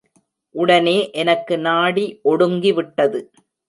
உடனே எனக்கு நாடி ஒடுங்கிவிட்டது.